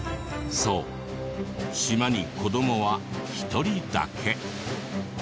そう島に子どもは１人だけ。